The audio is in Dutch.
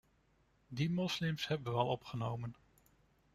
Die moslims hebben we al opgenomen.